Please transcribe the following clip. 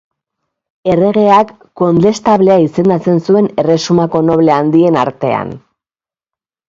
Erregeak Kondestablea izendatzen zuen erresumako noble handien artean.